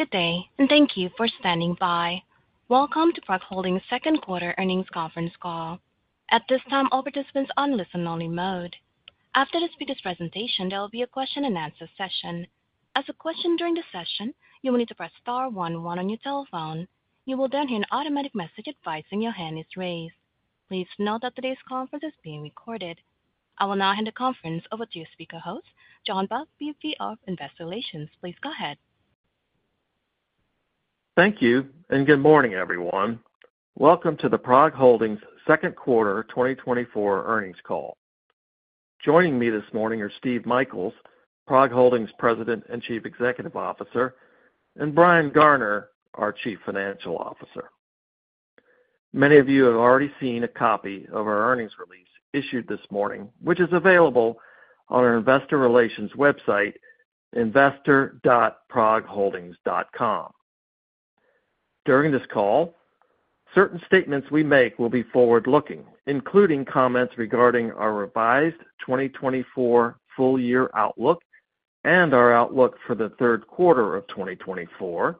Good day, and thank you for standing by. Welcome to PROG Holdings' second quarter earnings conference call. At this time, all participants are in listen-only mode. After the speaker's presentation, there will be a question-and-answer session. To ask a question during the session, you will need to press star, one one on your telephone. You will then hear an automatic message advising that your hand is raised. Please note that today's conference is being recorded. I will now hand the conference over to your speaker host, John Baugh, VP of Investor Relations. Please go ahead. Thank you, and good morning, everyone. Welcome to the PROG Holdings' second quarter 2024 earnings call. Joining me this morning are Steve Michaels, PROG Holdings' President and Chief Executive Officer, and Brian Garner, our Chief Financial Officer. Many of you have already seen a copy of our earnings release issued this morning, which is available on our Investor Relations website, investor.progholdings.com. During this call, certain statements we make will be forward-looking, including comments regarding our revised 2024 full-year outlook and our outlook for the third quarter of 2024,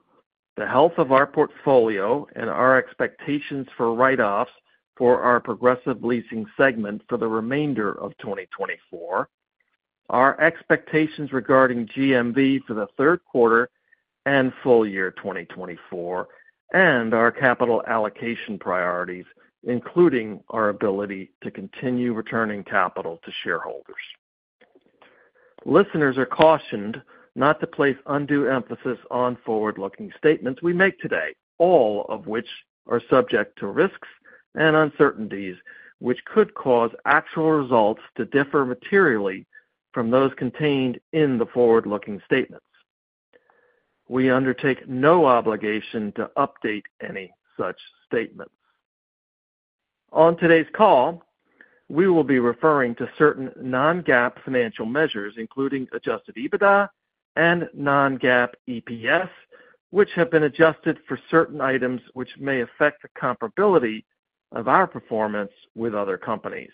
the health of our portfolio and our expectations for write-offs for our Progressive Leasing segment for the remainder of 2024, our expectations regarding GMV for the third quarter and full-year 2024, and our capital allocation priorities, including our ability to continue returning capital to shareholders. Listeners are cautioned not to place undue emphasis on forward-looking statements we make today, all of which are subject to risks and uncertainties which could cause actual results to differ materially from those contained in the forward-looking statements. We undertake no obligation to update any such statements. On today's call, we will be referring to certain non-GAAP financial measures, including adjusted EBITDA and Non-GAAP EPS, which have been adjusted for certain items which may affect the comparability of our performance with other companies.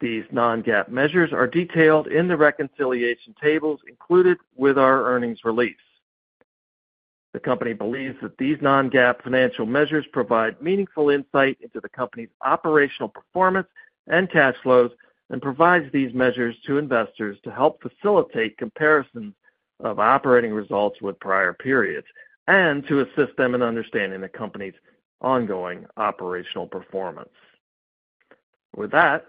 These non-GAAP measures are detailed in the reconciliation tables included with our earnings release. The company believes that these non-GAAP financial measures provide meaningful insight into the company's operational performance and cash flows and provides these measures to investors to help facilitate comparisons of operating results with prior periods and to assist them in understanding the company's ongoing operational performance. With that,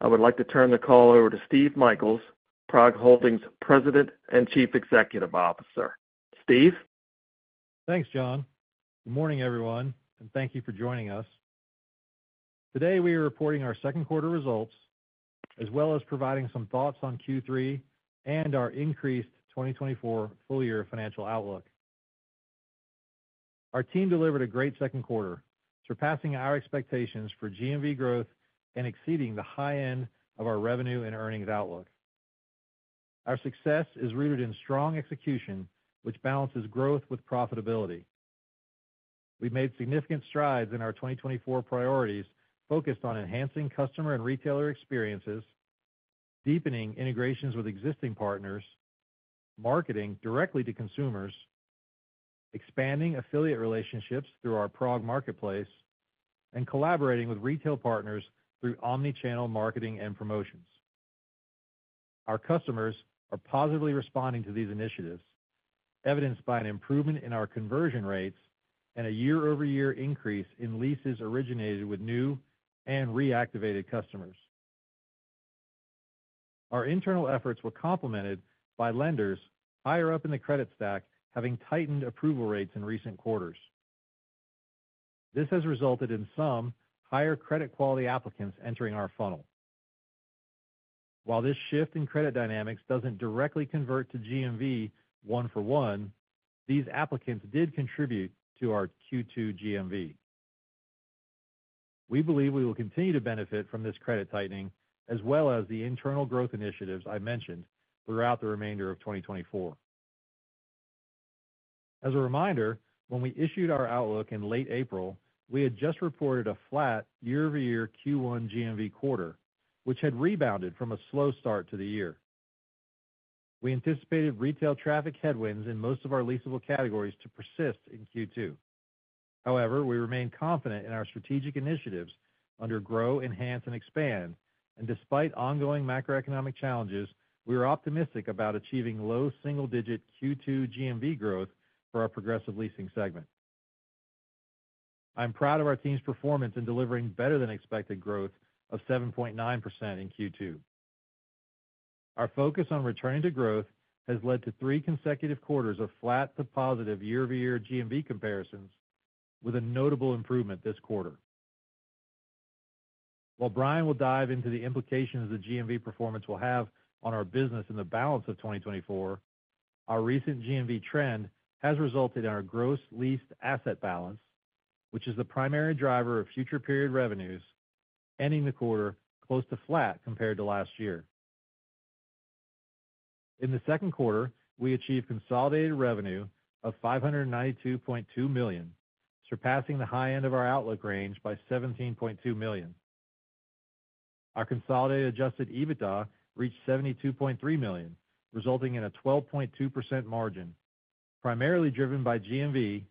I would like to turn the call over to Steve Michaels, PROG Holdings' President and Chief Executive Officer. Steve? Thanks, John. Good morning, everyone, and thank you for joining us. Today, we are reporting our second quarter results as well as providing some thoughts on Q3 and our increased 2024 full-year financial outlook. Our team delivered a great second quarter, surpassing our expectations for GMV growth and exceeding the high end of our revenue and earnings outlook. Our success is rooted in strong execution, which balances growth with profitability. We've made significant strides in our 2024 priorities focused on enhancing customer and retailer experiences, deepening integrations with existing partners, marketing directly to consumers, expanding affiliate relationships through our PROG Marketplace, and collaborating with retail partners through omnichannel marketing and promotions. Our customers are positively responding to these initiatives, evidenced by an improvement in our conversion rates and a year-over-year increase in leases originated with new and reactivated customers. Our internal efforts were complemented by lenders higher up in the credit stack having tightened approval rates in recent quarters. This has resulted in some higher credit-quality applicants entering our funnel. While this shift in credit dynamics doesn't directly convert to GMV one-for-one, these applicants did contribute to our Q2 GMV. We believe we will continue to benefit from this credit tightening as well as the internal growth initiatives I mentioned throughout the remainder of 2024. As a reminder, when we issued our outlook in late April, we had just reported a flat year-over-year Q1 GMV quarter, which had rebounded from a slow start to the year. We anticipated retail traffic headwinds in most of our leasable categories to persist in Q2. However, we remain confident in our strategic initiatives under Grow, Enhance, and Expand, and despite ongoing macroeconomic challenges, we are optimistic about achieving low single-digit Q2 GMV growth for our Progressive Leasing segment. I'm proud of our team's performance in delivering better-than-expected growth of 7.9% in Q2. Our focus on returning to growth has led to three consecutive quarters of flat to positive year-over-year GMV comparisons with a notable improvement this quarter. While Brian will dive into the implications the GMV performance will have on our business in the balance of 2024, our recent GMV trend has resulted in our gross leased asset balance, which is the primary driver of future-period revenues, ending the quarter close to flat compared to last year. In the second quarter, we achieved consolidated revenue of $592.2 million, surpassing the high end of our outlook range by $17.2 million. Our consolidated Adjusted EBITDA reached $72.3 million, resulting in a 12.2% margin, primarily driven by GMV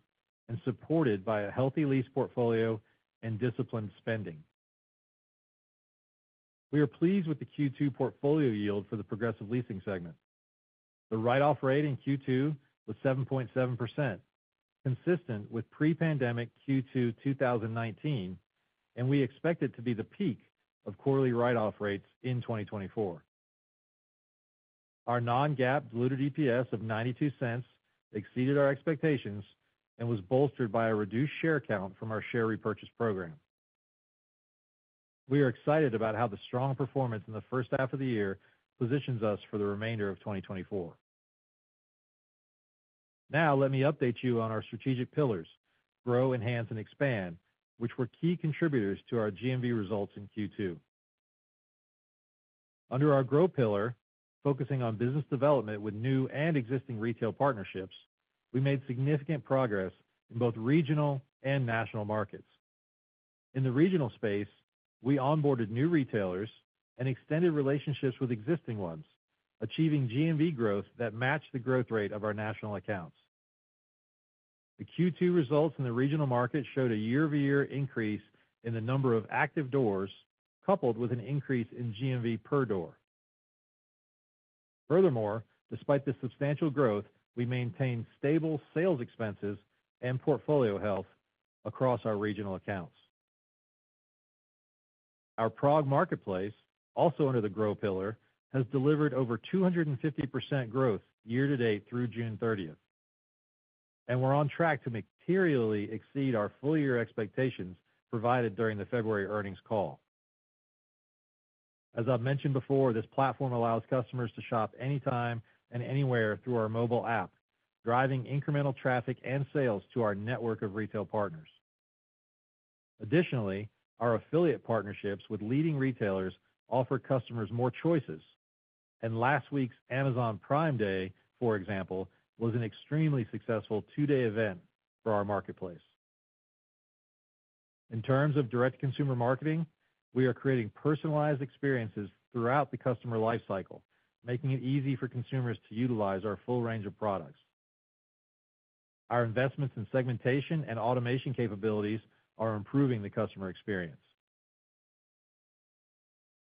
and supported by a healthy lease portfolio and disciplined spending. We are pleased with the Q2 portfolio yield for the Progressive Leasing segment. The write-off rate in Q2 was 7.7%, consistent with pre-pandemic Q2 2019, and we expect it to be the peak of quarterly write-off rates in 2024. Our non-GAAP diluted EPS of $0.92 exceeded our expectations and was bolstered by a reduced share count from our share repurchase program. We are excited about how the strong performance in the first half of the year positions us for the remainder of 2024. Now, let me update you on our strategic pillars, Grow, Enhance, and Expand, which were key contributors to our GMV results in Q2. Under our Grow pillar, focusing on business development with new and existing retail partnerships, we made significant progress in both regional and national markets. In the regional space, we onboarded new retailers and extended relationships with existing ones, achieving GMV growth that matched the growth rate of our national accounts. The Q2 results in the regional market showed a year-over-year increase in the number of active doors, coupled with an increase in GMV per door. Furthermore, despite the substantial growth, we maintained stable sales expenses and portfolio health across our regional accounts. Our PROG Marketplace, also under the Grow pillar, has delivered over 250% growth year-to-date through June 30, and we're on track to materially exceed our full-year expectations provided during the February earnings call. As I've mentioned before, this platform allows customers to shop anytime and anywhere through our mobile app, driving incremental traffic and sales to our network of retail partners. Additionally, our affiliate partnerships with leading retailers offer customers more choices, and last week's Amazon Prime Day, for example, was an extremely successful two-day event for our marketplace. In terms of direct-to-consumer marketing, we are creating personalized experiences throughout the customer lifecycle, making it easy for consumers to utilize our full range of products. Our investments in segmentation and automation capabilities are improving the customer experience.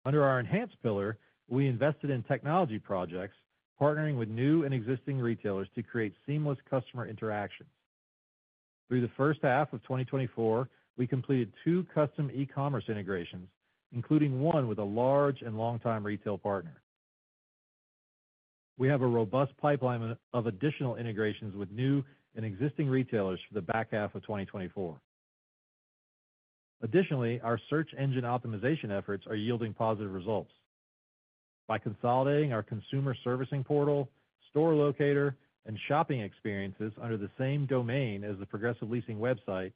Under our Enhance pillar, we invested in technology projects, partnering with new and existing retailers to create seamless customer interactions. Through the first half of 2024, we completed two custom e-commerce integrations, including one with a large and long-time retail partner. We have a robust pipeline of additional integrations with new and existing retailers for the back half of 2024. Additionally, our search engine optimization efforts are yielding positive results. By consolidating our consumer servicing portal, store locator, and shopping experiences under the same domain as the Progressive Leasing website,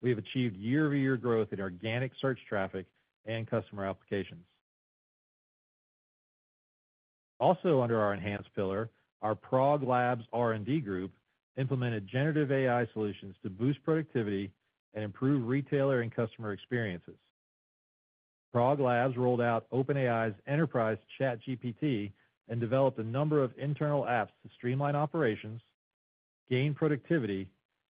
we have achieved year-over-year growth in organic search traffic and customer applications. Also, under our Enhance pillar, our PROG Labs R&D group implemented generative AI solutions to boost productivity and improve retailer and customer experiences. PROG Labs rolled out OpenAI's enterprise ChatGPT and developed a number of internal apps to streamline operations, gain productivity,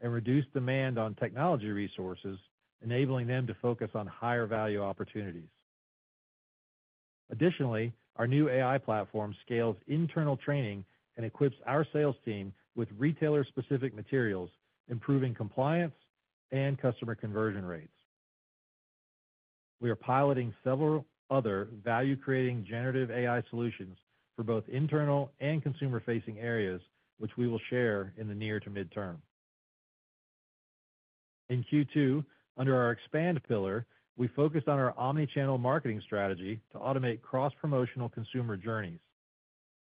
and reduce demand on technology resources, enabling them to focus on higher-value opportunities. Additionally, our new AI platform scales internal training and equips our sales team with retailer-specific materials, improving compliance and customer conversion rates. We are piloting several other value-creating generative AI solutions for both internal and consumer-facing areas, which we will share in the near to midterm. In Q2, under our Expand pillar, we focused on our omnichannel marketing strategy to automate cross-promotional consumer journeys.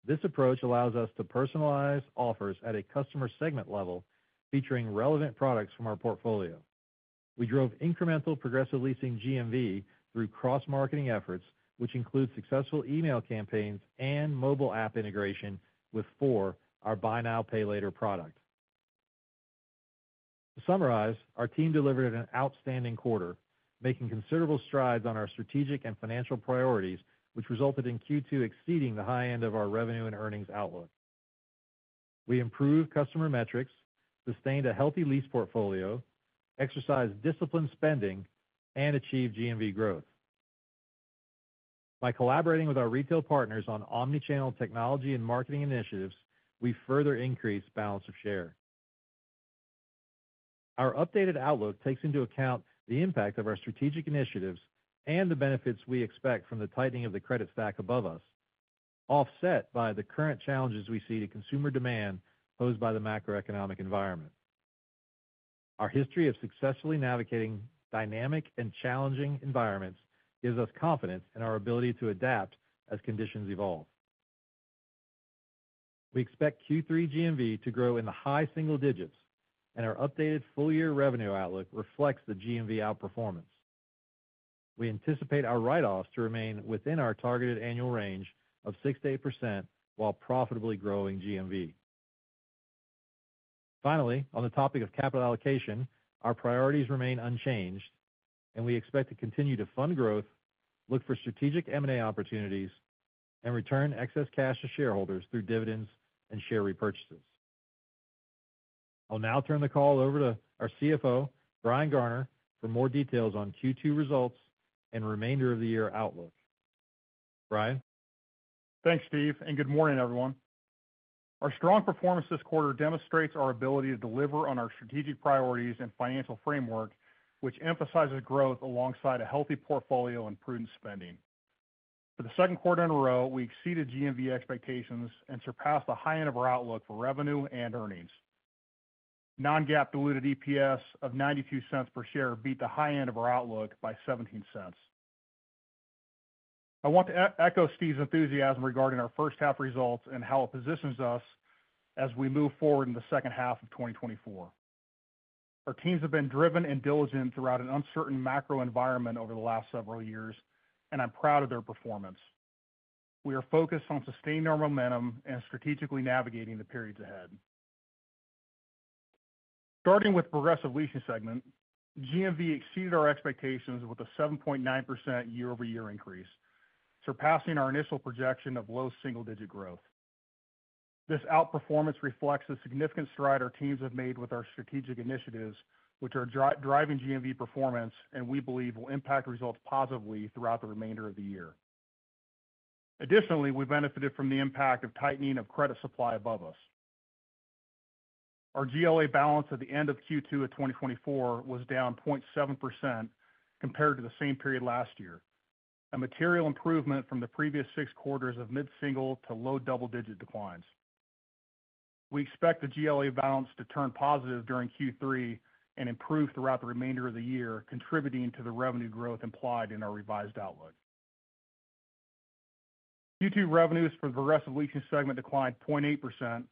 This approach allows us to personalize offers at a customer segment level, featuring relevant products from our portfolio. We drove incremental Progressive Leasing GMV through cross-marketing efforts, which include successful email campaigns and mobile app integration with Four, our buy now, pay later product. To summarize, our team delivered an outstanding quarter, making considerable strides on our strategic and financial priorities, which resulted in Q2 exceeding the high end of our revenue and earnings outlook. We improved customer metrics, sustained a healthy lease portfolio, exercised disciplined spending, and achieved GMV growth. By collaborating with our retail partners on omnichannel technology and marketing initiatives, we further increased balance of share. Our updated outlook takes into account the impact of our strategic initiatives and the benefits we expect from the tightening of the credit stack above us, offset by the current challenges we see to consumer demand posed by the macroeconomic environment. Our history of successfully navigating dynamic and challenging environments gives us confidence in our ability to adapt as conditions evolve. We expect Q3 GMV to grow in the high single digits, and our updated full-year revenue outlook reflects the GMV outperformance. We anticipate our write-offs to remain within our targeted annual range of 6-8% while profitably growing GMV. Finally, on the topic of capital allocation, our priorities remain unchanged, and we expect to continue to fund growth, look for strategic M&A opportunities, and return excess cash to shareholders through dividends and share repurchases. I'll now turn the call over to our CFO, Brian Garner, for more details on Q2 results and remainder-of-the-year outlook. Brian? Thanks, Steve, and good morning, everyone. Our strong performance this quarter demonstrates our ability to deliver on our strategic priorities and financial framework, which emphasizes growth alongside a healthy portfolio and prudent spending. For the second quarter in a row, we exceeded GMV expectations and surpassed the high end of our outlook for revenue and earnings. Non-GAAP diluted EPS of $0.92 per share beat the high end of our outlook by $0.17. I want to echo Steve's enthusiasm regarding our first half results and how it positions us as we move forward in the second half of 2024. Our teams have been driven and diligent throughout an uncertain macro environment over the last several years, and I'm proud of their performance. We are focused on sustaining our momentum and strategically navigating the periods ahead. Starting with the Progressive Leasing segment, GMV exceeded our expectations with a 7.9% year-over-year increase, surpassing our initial projection of low single-digit growth. This outperformance reflects the significant stride our teams have made with our strategic initiatives, which are driving GMV performance and we believe will impact results positively throughout the remainder of the year. Additionally, we benefited from the impact of tightening of credit supply above us. Our GLA balance at the end of Q2 of 2024 was down 0.7% compared to the same period last year, a material improvement from the previous six quarters of mid-single to low double-digit declines. We expect the GLA balance to turn positive during Q3 and improve throughout the remainder of the year, contributing to the revenue growth implied in our revised outlook. Q2 revenues for the Progressive Leasing segment declined 0.8%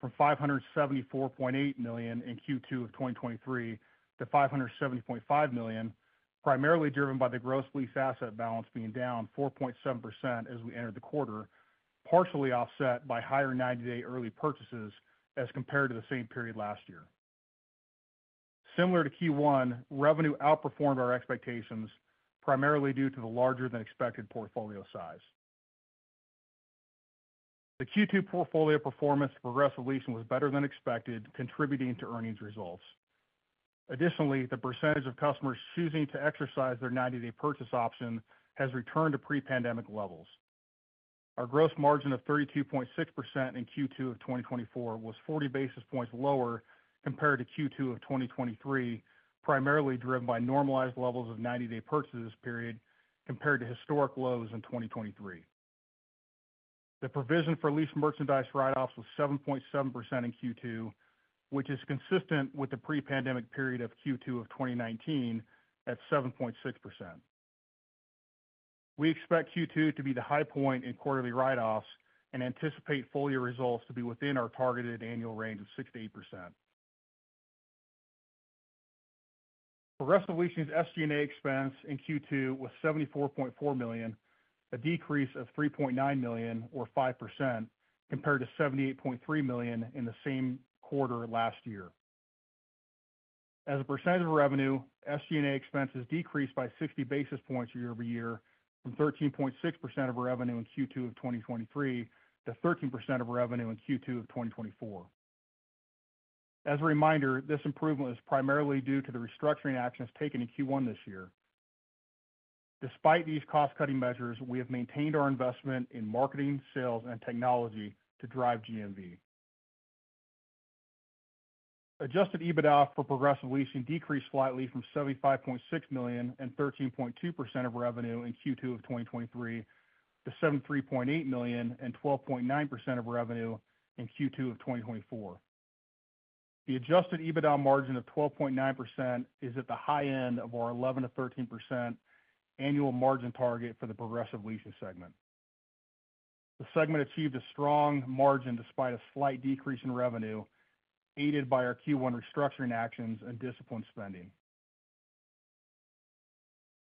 from $574.8 million in Q2 of 2023 to $570.5 million, primarily driven by the Gross Leased Asset balance being down 4.7% as we entered the quarter, partially offset by higher 90-day early purchases as compared to the same period last year. Similar to Q1, revenue outperformed our expectations, primarily due to the larger-than-expected portfolio size. The Q2 portfolio performance for Progressive Leasing was better than expected, contributing to earnings results. Additionally, the percentage of customers choosing to exercise their 90-day purchase option has returned to pre-pandemic levels. Our gross margin of 32.6% in Q2 of 2024 was 40 basis points lower compared to Q2 of 2023, primarily driven by normalized levels of 90-day purchases period compared to historic lows in 2023. The provision for lease merchandise write-offs was 7.7% in Q2, which is consistent with the pre-pandemic period of Q2 of 2019 at 7.6%. We expect Q2 to be the high point in quarterly write-offs and anticipate full-year results to be within our targeted annual range of 68%. Progressive Leasing's SG&A expense in Q2 was $74.4 million, a decrease of $3.9 million, or 5%, compared to $78.3 million in the same quarter last year. As a percentage of revenue, SG&A expense has decreased by 60 basis points year-over-year from 13.6% of revenue in Q2 of 2023 to 13% of revenue in Q2 of 2024. As a reminder, this improvement is primarily due to the restructuring actions taken in Q1 this year. Despite these cost-cutting measures, we have maintained our investment in marketing, sales, and technology to drive GMV. Adjusted EBITDA for Progressive Leasing decreased slightly from $75.6 million and 13.2% of revenue in Q2 of 2023 to $73.8 million and 12.9% of revenue in Q2 of 2024. The adjusted EBITDA margin of 12.9% is at the high end of our 11%-13% annual margin target for the Progressive Leasing segment. The segment achieved a strong margin despite a slight decrease in revenue, aided by our Q1 restructuring actions and disciplined spending.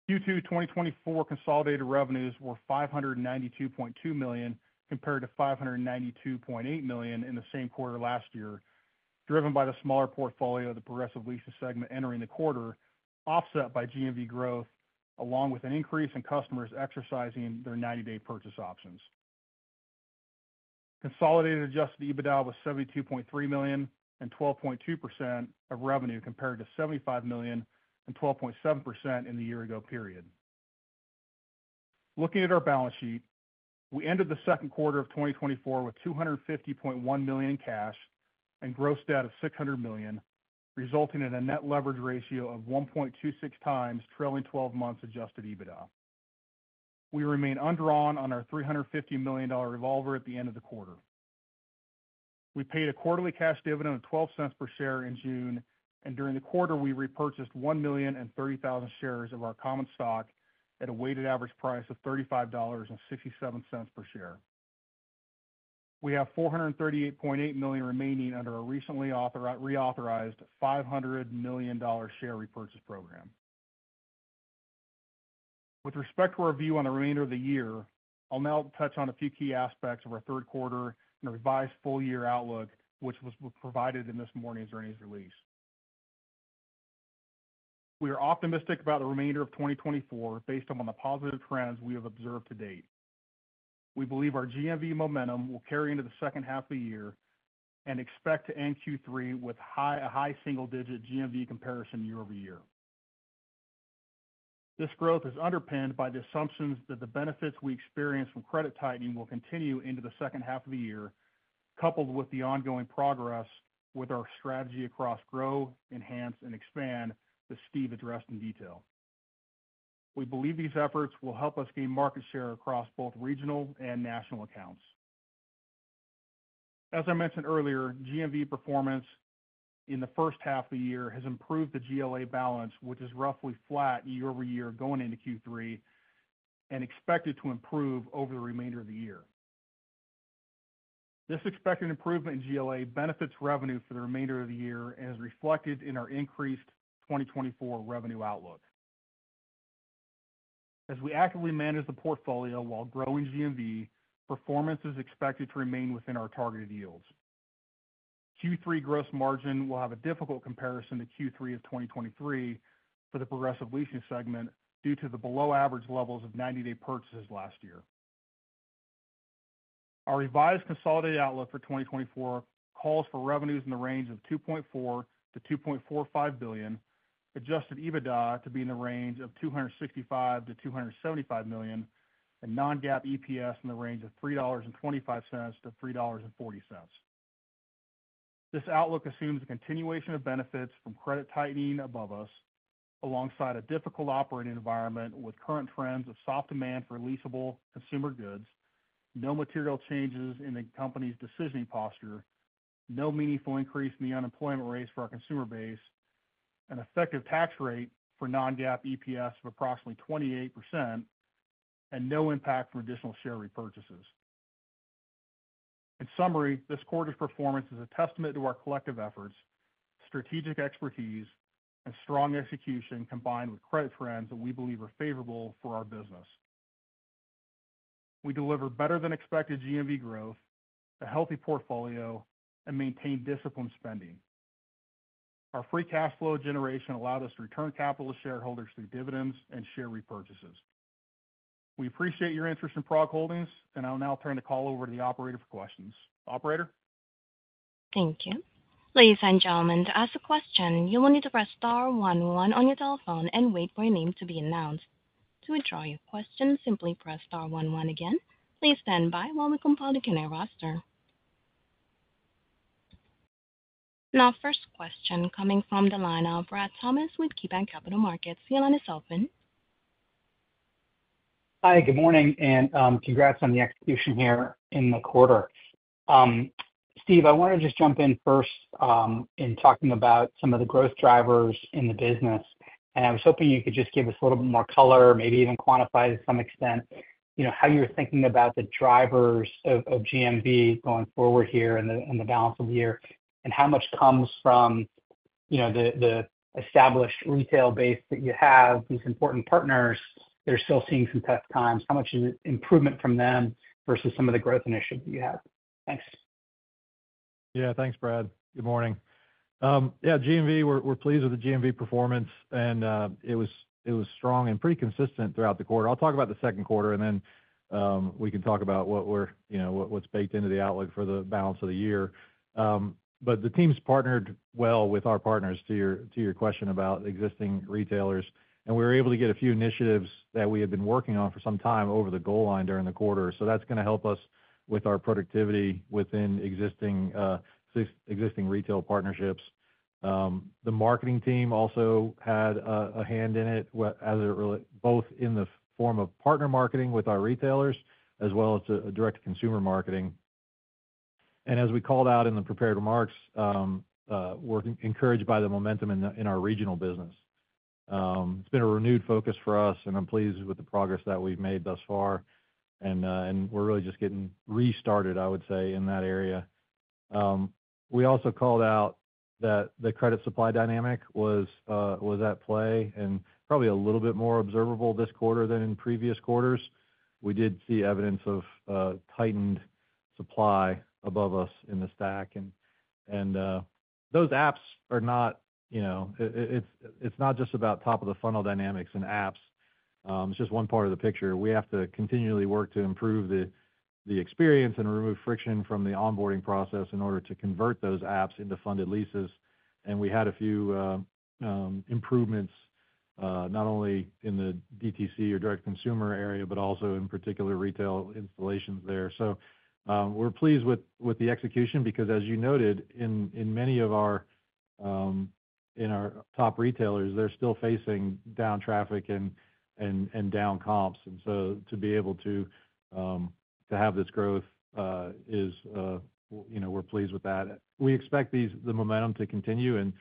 Q2 2024 consolidated revenues were $592.2 million compared to $592.8 million in the same quarter last year, driven by the smaller portfolio of the Progressive Leasing segment entering the quarter, offset by GMV growth, along with an increase in customers exercising their 90-day purchase options. Consolidated adjusted EBITDA was $72.3 million and 12.2% of revenue compared to $75 million and 12.7% in the year-ago period. Looking at our balance sheet, we ended the second quarter of 2024 with $250.1 million in cash and gross debt of $600 million, resulting in a net leverage ratio of 1.26 times trailing 12 months adjusted EBITDA. We remain undrawn on our $350 million revolver at the end of the quarter. We paid a quarterly cash dividend of $0.12 per share in June, and during the quarter, we repurchased 1.03 million shares of our common stock at a weighted average price of $35.67 per share. We have $438.8 million remaining under our recently reauthorized $500 million share repurchase program. With respect to our view on the remainder of the year, I'll now touch on a few key aspects of our third quarter and revised full-year outlook, which was provided in this morning's earnings release. We are optimistic about the remainder of 2024 based on the positive trends we have observed to date. We believe our GMV momentum will carry into the second half of the year and expect to end Q3 with a high single-digit GMV comparison year-over-year. This growth is underpinned by the assumptions that the benefits we experience from credit tightening will continue into the second half of the year, coupled with the ongoing progress with our strategy across grow, enhance, and expand that Steve addressed in detail. We believe these efforts will help us gain market share across both regional and national accounts. As I mentioned earlier, GMV performance in the first half of the year has improved the GLA balance, which is roughly flat year-over-year going into Q3 and expected to improve over the remainder of the year. This expected improvement in GLA benefits revenue for the remainder of the year and is reflected in our increased 2024 revenue outlook. As we actively manage the portfolio while growing GMV, performance is expected to remain within our targeted yields. Q3 gross margin will have a difficult comparison to Q3 of 2023 for the Progressive Leasing segment due to the below-average levels of 90-day purchases last year. Our revised consolidated outlook for 2024 calls for revenues in the range of $2.4-$2.45 billion, Adjusted EBITDA to be in the range of $265-$275 million, and non-GAAP EPS in the range of $3.25-$3.40. This outlook assumes a continuation of benefits from credit tightening above us, alongside a difficult operating environment with current trends of soft demand for leasable consumer goods, no material changes in the company's decisioning posture, no meaningful increase in the unemployment rates for our consumer base, an effective tax rate for non-GAAP EPS of approximately 28%, and no impact from additional share repurchases. In summary, this quarter's performance is a testament to our collective efforts, strategic expertise, and strong execution combined with credit trends that we believe are favorable for our business. We deliver better-than-expected GMV growth, a healthy portfolio, and maintain disciplined spending. Our free cash flow generation allowed us to return capital to shareholders through dividends and share repurchases. We appreciate your interest in PROG Holdings, and I'll now turn the call over to the operator for questions. Operator? Thank you. Ladies and gentlemen, to ask a question, you will need to press star one one on your telephone and wait for your name to be announced. To withdraw your question, simply press star one one again. Please stand by while we compile the candidate roster. Now, first question coming from the line of Brad Thomas with KeyBanc Capital Markets. Your line is open. Hi, good morning, and congrats on the execution here in the quarter. Steve, I wanted to just jump in first in talking about some of the growth drivers in the business. I was hoping you could just give us a little bit more color, maybe even quantify to some extent how you're thinking about the drivers of GMV going forward here in the balance of the year and how much comes from the established retail base that you have, these important partners that are still seeing some tough times. How much is it improvement from them versus some of the growth initiatives that you have? Thanks. Yeah, thanks, Brad. Good morning. Yeah, GMV, we're pleased with the GMV performance, and it was strong and pretty consistent throughout the quarter. I'll talk about the second quarter, and then we can talk about what's baked into the outlook for the balance of the year. But the team's partnered well with our partners to your question about existing retailers. And we were able to get a few initiatives that we had been working on for some time over the goal line during the quarter. So that's going to help us with our productivity within existing retail partnerships. The marketing team also had a hand in it, both in the form of partner marketing with our retailers as well as direct-to-consumer marketing. And as we called out in the prepared remarks, we're encouraged by the momentum in our regional business. It's been a renewed focus for us, and I'm pleased with the progress that we've made thus far. And we're really just getting restarted, I would say, in that area. We also called out that the credit supply dynamic was at play and probably a little bit more observable this quarter than in previous quarters. We did see evidence of tightened supply above us in the stack. And those apps are not. It's not just about top-of-the-funnel dynamics and apps. It's just one part of the picture. We have to continually work to improve the experience and remove friction from the onboarding process in order to convert those apps into funded leases. And we had a few improvements not only in the DTC or direct-to-consumer area, but also in particular retail installations there. So we're pleased with the execution because, as you noted, in many of our top retailers, they're still facing down traffic and down comps. And so to be able to have this growth is, we're pleased with that. We expect the momentum to continue and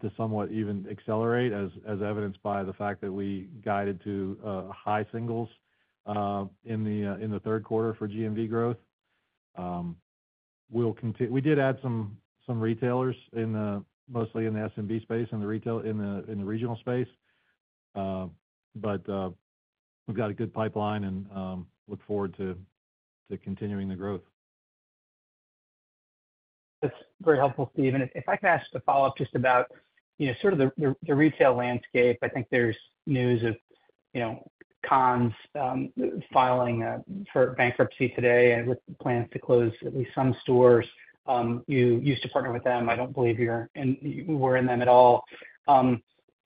to somewhat even accelerate, as evidenced by the fact that we guided to high singles in the third quarter for GMV growth. We did add some retailers, mostly in the SMB space and the regional space. But we've got a good pipeline and look forward to continuing the growth. That's very helpful, Steve. If I can ask a follow-up just about sort of the retail landscape, I think there's news of Conn's filing for bankruptcy today and with plans to close at least some stores. You used to partner with them. I don't believe you were in them at all.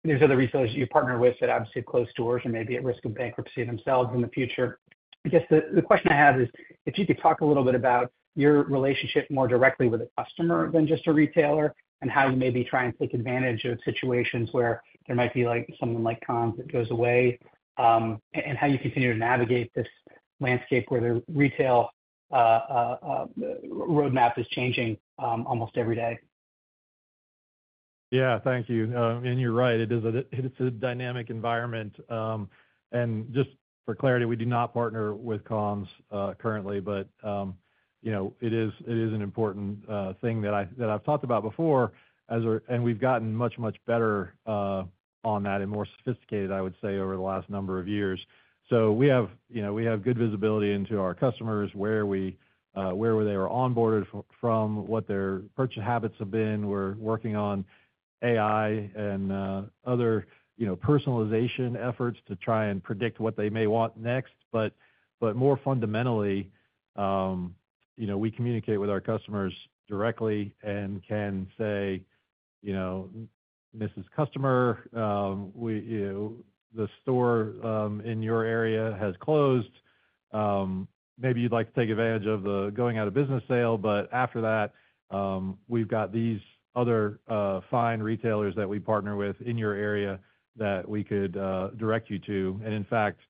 There's other retailers that you partner with that obviously have closed stores and may be at risk of bankruptcy themselves in the future. I guess the question I have is, if you could talk a little bit about your relationship more directly with a customer than just a retailer and how you maybe try and take advantage of situations where there might be someone like Conn's that goes away and how you continue to navigate this landscape where the retail roadmap is changing almost every day. Yeah, thank you. You're right. It's a dynamic environment. Just for clarity, we do not partner with Conn's currently, but it is an important thing that I've talked about before, and we've gotten much, much better on that and more sophisticated, I would say, over the last number of years. We have good visibility into our customers, where they were onboarded from, what their purchase habits have been. We're working on AI and other personalization efforts to try and predict what they may want next. More fundamentally, we communicate with our customers directly and can say, "Mrs. Customer, the store in your area has closed. Maybe you'd like to take advantage of the going-out-of-business sale. But after that, we've got these other fine retailers that we partner with in your area that we could direct you to." And in fact,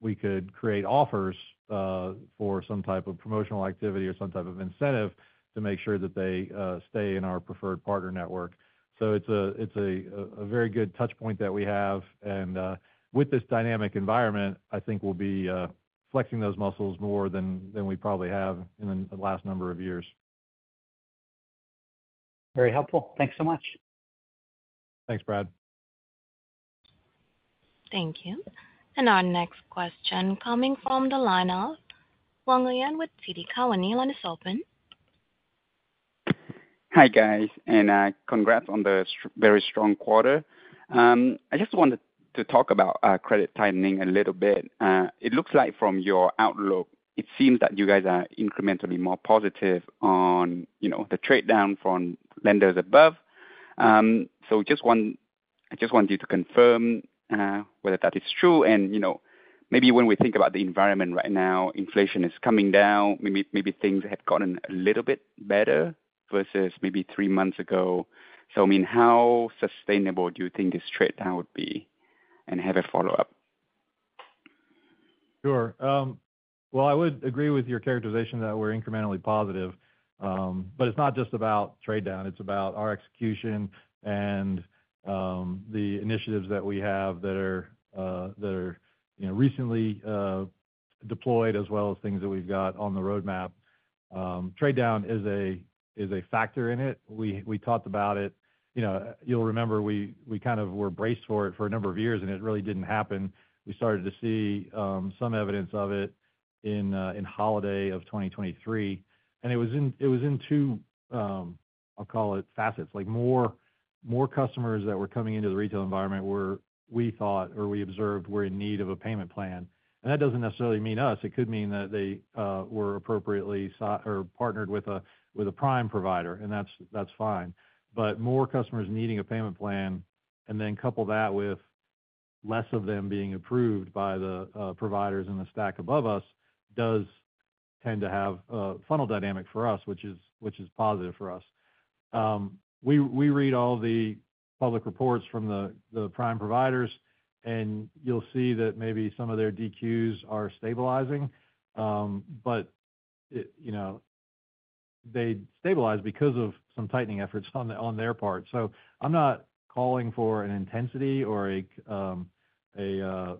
we could create offers for some type of promotional activity or some type of incentive to make sure that they stay in our preferred partner network. So it's a very good touchpoint that we have. And with this dynamic environment, I think we'll be flexing those muscles more than we probably have in the last number of years. Very helpful. Thanks so much. Thanks, Brad. Thank you. Our next question coming from the line of Hoang Nguyen with TD Cowen, Your line is open. Hi guys, and congrats on the very strong quarter. I just wanted to talk about credit tightening a little bit. It looks like from your outlook, it seems that you guys are incrementally more positive on the trade down from lenders above. So I just want you to confirm whether that is true. And maybe when we think about the environment right now, inflation is coming down. Maybe things have gotten a little bit better versus maybe three months ago. So I mean, how sustainable do you think this trade down would be? And have a follow-up. Sure. Well, I would agree with your characterization that we're incrementally positive. But it's not just about trade down. It's about our execution and the initiatives that we have that are recently deployed as well as things that we've got on the roadmap. Trade down is a factor in it. We talked about it. You'll remember we kind of were braced for it for a number of years, and it really didn't happen. We started to see some evidence of it in holiday of 2023. And it was in two, I'll call it, facets. More customers that were coming into the retail environment where we thought, or we observed, were in need of a payment plan. And that doesn't necessarily mean us. It could mean that they were appropriately partnered with a prime provider, and that's fine. But more customers needing a payment plan and then couple that with less of them being approved by the providers in the stack above us does tend to have a funnel dynamic for us, which is positive for us. We read all the public reports from the prime providers, and you'll see that maybe some of their DQs are stabilizing. But they stabilize because of some tightening efforts on their part. So I'm not calling for an intensity or an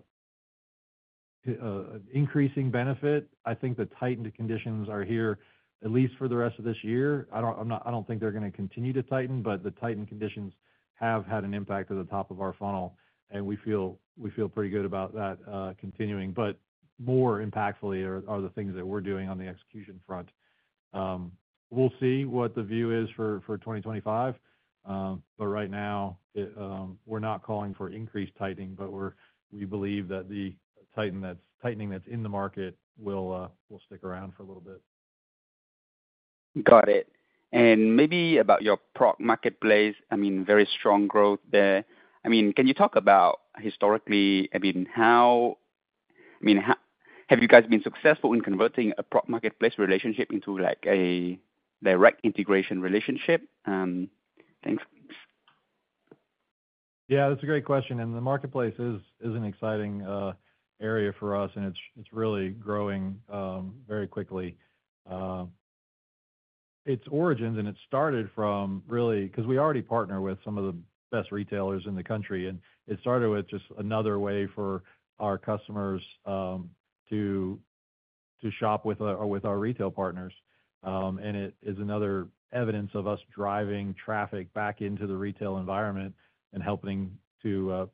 increasing benefit. I think the tightened conditions are here, at least for the rest of this year. I don't think they're going to continue to tighten, but the tightened conditions have had an impact at the top of our funnel, and we feel pretty good about that continuing. But more impactfully are the things that we're doing on the execution front. We'll see what the view is for 2025. Right now, we're not calling for increased tightening, but we believe that the tightening that's in the market will stick around for a little bit. Got it. And maybe about your PROG Marketplace, I mean, very strong growth there. I mean, can you talk about historically, I mean, how have you guys been successful in converting a PROG Marketplace relationship into a direct integration relationship? Thanks. Yeah, that's a great question. The marketplace is an exciting area for us, and it's really growing very quickly. Its origins, and it's started from really because we already partner with some of the best retailers in the country. It started with just another way for our customers to shop with our retail partners. It is another evidence of us driving traffic back into the retail environment and helping to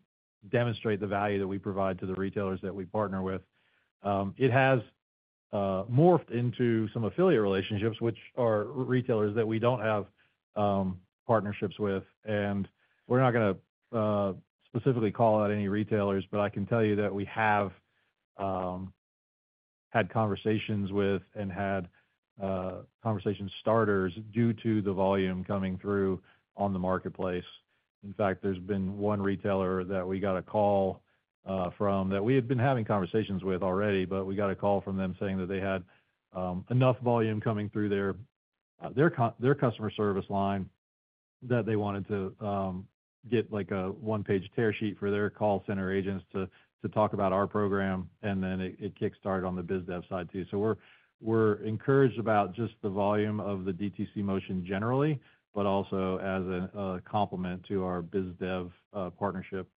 demonstrate the value that we provide to the retailers that we partner with. It has morphed into some affiliate relationships with retailers that we don't have partnerships with. We're not going to specifically call out any retailers, but I can tell you that we have had conversations with and had conversation starters due to the volume coming through on the marketplace. In fact, there's been one retailer that we got a call from that we had been having conversations with already, but we got a call from them saying that they had enough volume coming through their customer service line that they wanted to get a one-page tear sheet for their call center agents to talk about our program. And then it kicks start on the BizDev side too. So we're encouraged about just the volume of the DTC motion generally, but also as a complement to our BizDev partnership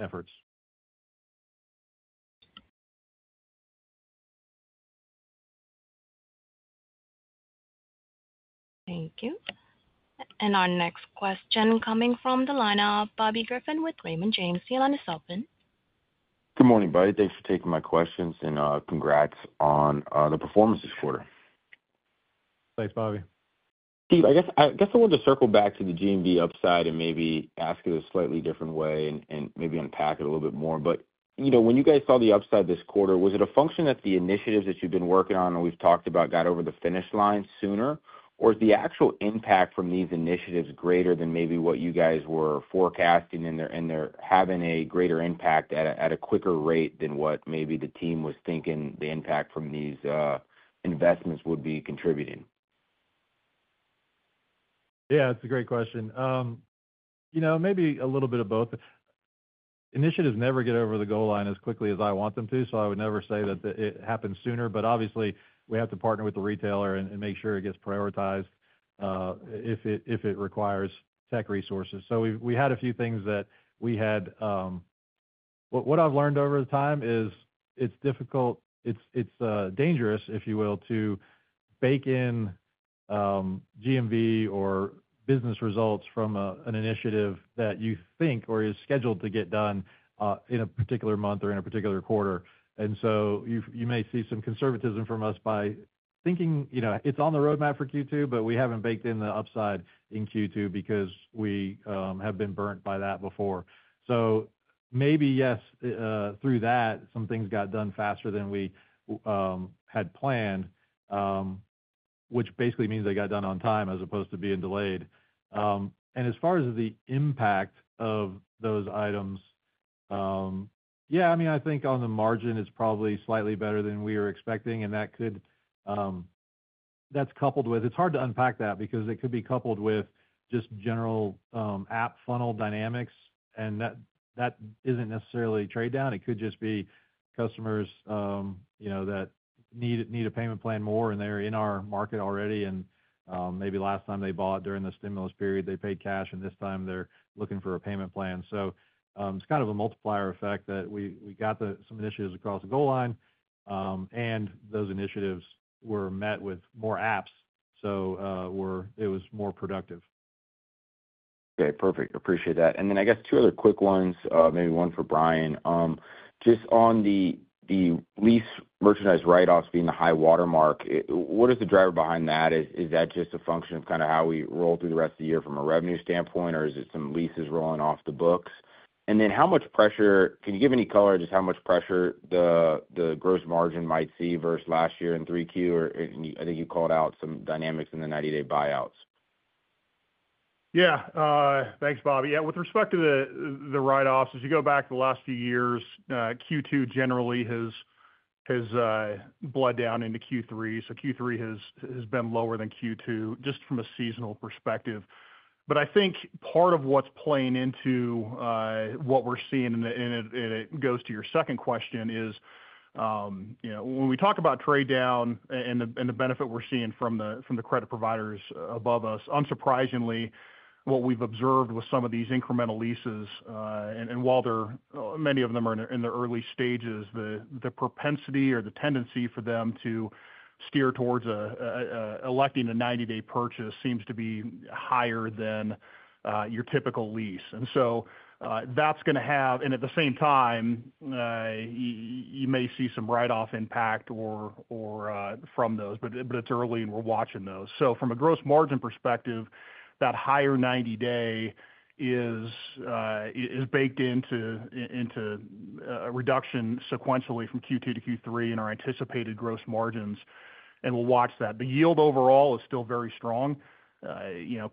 efforts. Thank you. Our next question coming from the line of Bobby Griffin with Raymond James, Your line is open. Good morning, buddy. Thanks for taking my questions and congrats on the performance this quarter. Thanks, Bobby. Steve, I guess I wanted to circle back to the GMV upside and maybe ask it a slightly different way and maybe unpack it a little bit more. But when you guys saw the upside this quarter, was it a function that the initiatives that you've been working on and we've talked about got over the finish line sooner? Or is the actual impact from these initiatives greater than maybe what you guys were forecasting and they're having a greater impact at a quicker rate than what maybe the team was thinking the impact from these investments would be contributing? Yeah, that's a great question. Maybe a little bit of both. Initiatives never get over the goal line as quickly as I want them to, so I would never say that it happens sooner. But obviously, we have to partner with the retailer and make sure it gets prioritized if it requires tech resources. So we had a few things that we had. What I've learned over the time is it's difficult, it's dangerous, if you will, to bake in GMV or business results from an initiative that you think or is scheduled to get done in a particular month or in a particular quarter. And so you may see some conservatism from us by thinking it's on the roadmap for Q2, but we haven't baked in the upside in Q2 because we have been burned by that before. So maybe, yes, through that, some things got done faster than we had planned, which basically means they got done on time as opposed to being delayed. As far as the impact of those items, yeah, I mean, I think on the margin, it's probably slightly better than we were expecting. And that's coupled with, it's hard to unpack that because it could be coupled with just general app funnel dynamics. That isn't necessarily trade down. It could just be customers that need a payment plan more, and they're in our market already. Maybe last time they bought during the stimulus period, they paid cash, and this time they're looking for a payment plan. So it's kind of a multiplier effect that we got some initiatives across the goal line, and those initiatives were met with more apps. So it was more productive. Okay. Perfect. Appreciate that. And then I guess two other quick ones, maybe one for Brian. Just on the lease merchandise write-offs being the high watermark, what is the driver behind that? Is that just a function of kind of how we roll through the rest of the year from a revenue standpoint, or is it some leases rolling off the books? And then how much pressure can you give any color of just how much pressure the gross margin might see versus last year in 3Q? I think you called out some dynamics in the 90-day buyouts. Yeah. Thanks, Bobby. Yeah, with respect to the write-offs, as you go back the last few years, Q2 generally has bled down into Q3. So Q3 has been lower than Q2 just from a seasonal perspective. But I think part of what's playing into what we're seeing, and it goes to your second question, is when we talk about trade down and the benefit we're seeing from the credit providers above us, unsurprisingly, what we've observed with some of these incremental leases, and while many of them are in the early stages, the propensity or the tendency for them to steer towards electing a 90-day purchase seems to be higher than your typical lease. And so that's going to have, and at the same time, you may see some write-off impact from those, but it's early, and we're watching those. So from a gross margin perspective, that higher 90-day is baked into a reduction sequentially from Q2 to Q3 in our anticipated gross margins. And we'll watch that. The yield overall is still very strong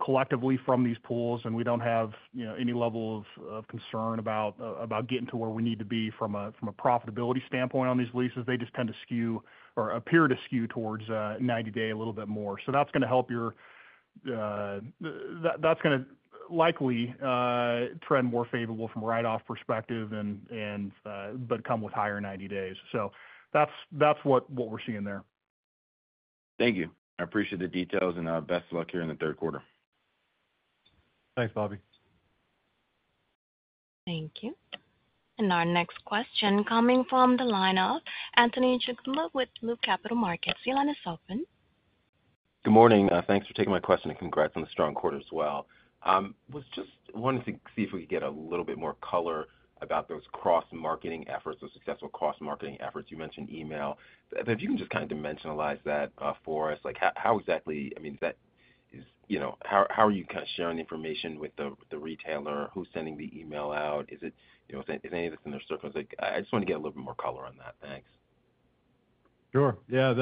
collectively from these pools, and we don't have any level of concern about getting to where we need to be from a profitability standpoint on these leases. They just tend to skew or appear to skew towards 90-day a little bit more. So that's going to help your—that's going to likely trend more favorable from a write-off perspective, but come with higher 90 days. So that's what we're seeing there. Thank you. I appreciate the details, and best of luck here in the third quarter. Thanks, Bobby. Thank you. And our next question coming from the line of Anthony Chukumba with Loop Capital Markets, Your line is open. Good morning. Thanks for taking my question and congrats on the strong quarter as well. I was just wanting to see if we could get a little bit more color about those cross-marketing efforts, those successful cross-marketing efforts. You mentioned email. But if you can just kind of dimensionalize that for us? Like how exactly—I mean, is that how are you kind of sharing the information with the retailer? Who's sending the email out? Is any of this in their circle? I just want to get a little bit more color on that. Thanks. Sure. Yeah.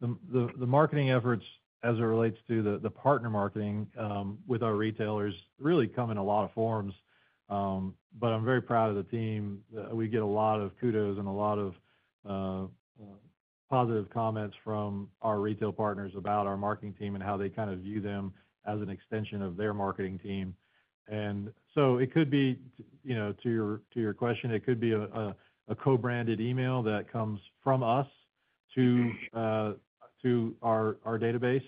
The marketing efforts as it relates to the partner marketing with our retailers really come in a lot of forms. But I'm very proud of the team. We get a lot of kudos and a lot of positive comments from our retail partners about our marketing team and how they kind of view them as an extension of their marketing team. And so it could be, to your question, it could be a co-branded email that comes from us to our database.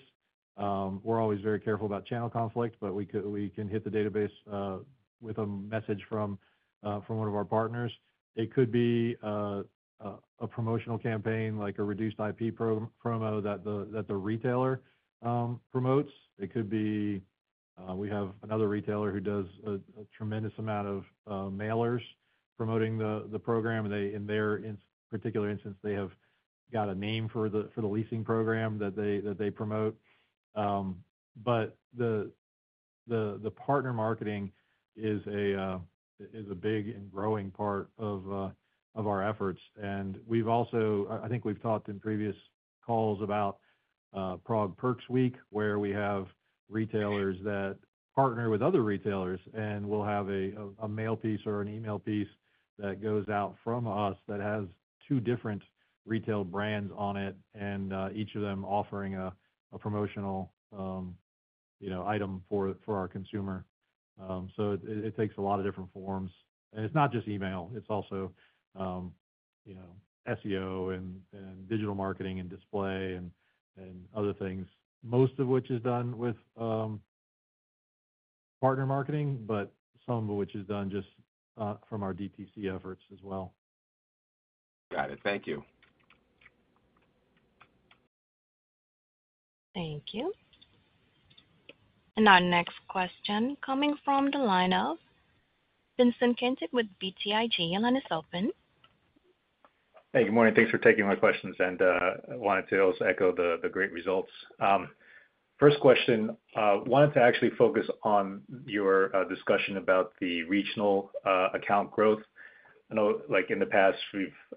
We're always very careful about channel conflict, but we can hit the database with a message from one of our partners. It could be a promotional campaign, like a reduced IP promo that the retailer promotes. It could be we have another retailer who does a tremendous amount of mailers promoting the program. In their particular instance, they have got a name for the leasing program that they promote. But the partner marketing is a big and growing part of our efforts. And I think we've talked in previous calls about PROG Perks Week, where we have retailers that partner with other retailers, and we'll have a mail piece or an email piece that goes out from us that has two different retail brands on it, and each of them offering a promotional item for our consumer. So it takes a lot of different forms. And it's not just email. It's also SEO and digital marketing and display and other things, most of which is done with partner marketing, but some of which is done just from our DTC efforts as well. Got it. Thank you. Thank you. Our next question coming from the line of Vincent Caintic with BTIG, Your line is open. Hey, good morning. Thanks for taking my questions. I wanted to also echo the great results. First question, wanted to actually focus on your discussion about the regional account growth. I know in the past,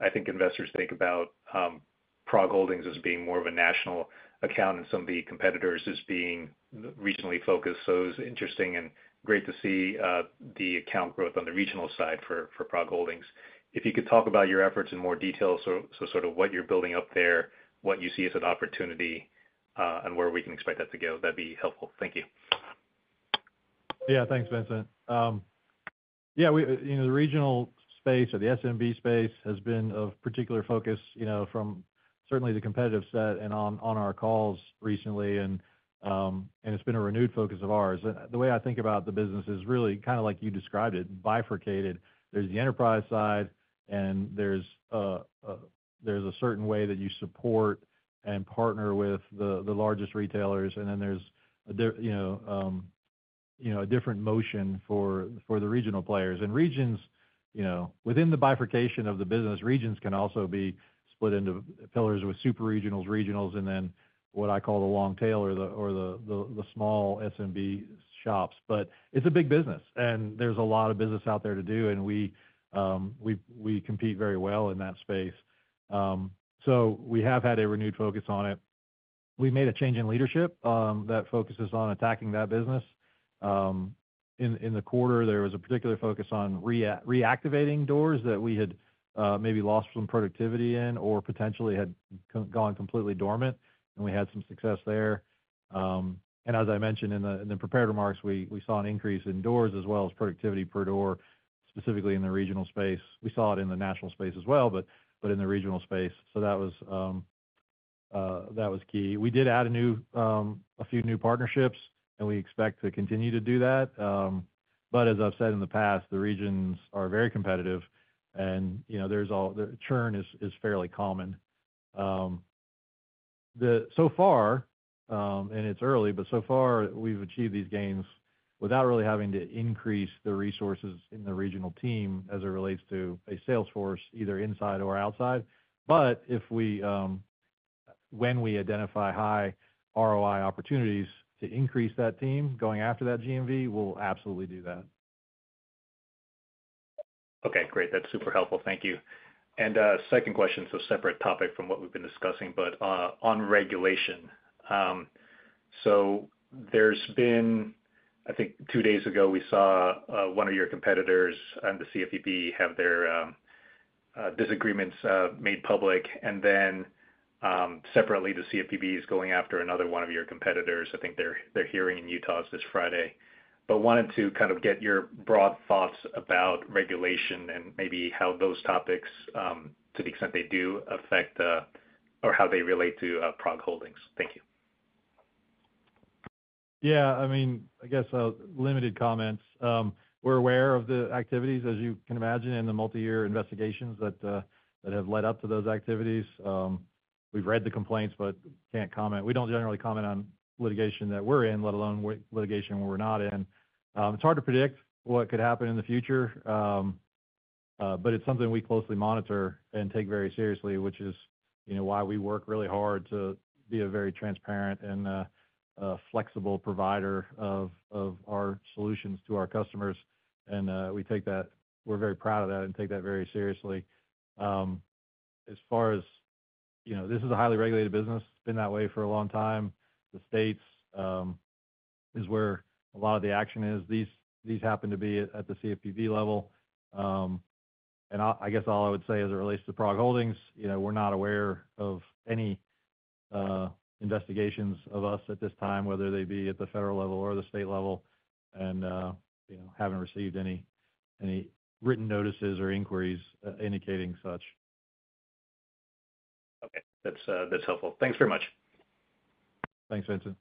I think investors think about PROG Holdings as being more of a national account and some of the competitors as being regionally focused. It was interesting and great to see the account growth on the regional side for PROG Holdings. If you could talk about your efforts in more detail, so sort of what you're building up there, what you see as an opportunity, and where we can expect that to go, that'd be helpful. Thank you. Yeah. Thanks, Vincent. Yeah, the regional space or the SMB space has been of particular focus from certainly the competitive set and on our calls recently. It's been a renewed focus of ours. The way I think about the business is really kind of like you described it, bifurcated. There's the enterprise side, and there's a certain way that you support and partner with the largest retailers. Then there's a different motion for the regional players. Within the bifurcation of the business, regions can also be split into pillars with super regionals, regionals, and then what I call the long tail or the small SMB shops. It's a big business, and there's a lot of business out there to do, and we compete very well in that space. We have had a renewed focus on it. We made a change in leadership that focuses on attacking that business. In the quarter, there was a particular focus on reactivating doors that we had maybe lost some productivity in or potentially had gone completely dormant. We had some success there. As I mentioned in the prepared remarks, we saw an increase in doors as well as productivity per door, specifically in the regional space. We saw it in the national space as well, but in the regional space. That was key. We did add a few new partnerships, and we expect to continue to do that. As I've said in the past, the regions are very competitive, and churn is fairly common. So far, and it's early, but so far, we've achieved these gains without really having to increase the resources in the regional team as it relates to a salesforce either inside or outside. But when we identify high ROI opportunities to increase that team going after that GMV, we'll absolutely do that. Okay. Great. That's super helpful. Thank you. And second question, so separate topic from what we've been discussing, but on regulation. So there's been, I think, two days ago, we saw one of your competitors and the CFPB have their disagreements made public. And then separately, the CFPB is going after another one of your competitors. I think there's a hearing in Utah this Friday. But wanted to kind of get your broad thoughts about regulation and maybe how those topics, to the extent they do affect, or how they relate to PROG Holdings. Thank you. Yeah. I mean, I guess limited comments. We're aware of the activities, as you can imagine, and the multi-year investigations that have led up to those activities. We've read the complaints, but can't comment. We don't generally comment on litigation that we're in, let alone litigation we're not in. It's hard to predict what could happen in the future, but it's something we closely monitor and take very seriously, which is why we work really hard to be a very transparent and flexible provider of our solutions to our customers. And we take that. We're very proud of that and take that very seriously. As far as this is a highly regulated business. It's been that way for a long time. The states is where a lot of the action is. These happen to be at the CFPB level. I guess all I would say as it relates to PROG Holdings, we're not aware of any investigations of us at this time, whether they be at the federal level or the state level, and haven't received any written notices or inquiries indicating such. Okay. That's helpful. Thanks very much. Thanks, Vincent.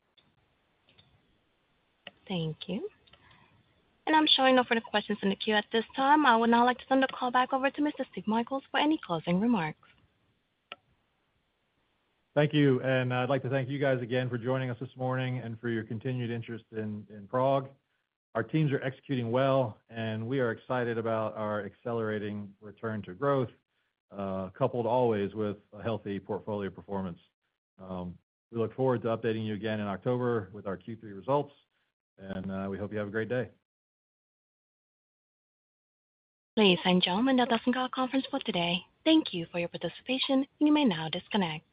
Thank you. I'm showing no further questions in the queue at this time. I would now like to turn the call back over to Mr. Steve Michaels for any closing remarks. Thank you. I'd like to thank you guys again for joining us this morning and for your continued interest in PROG. Our teams are executing well, and we are excited about our accelerating return to growth, coupled always with a healthy portfolio performance. We look forward to updating you again in October with our Q3 results, and we hope you have a great day. Ladies and gentlemen, that does conclude the conference call for today. Thank you for your participation, and you may now disconnect.